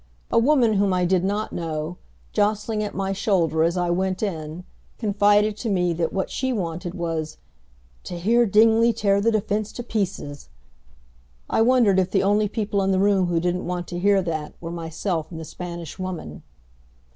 A woman whom I did not know, jostling at my shoulder as I went in, confided to me that what she wanted was, "To hear Dingley tear the defense to pieces." I wondered if the only people in the room who didn't want to hear that were myself and the Spanish Woman.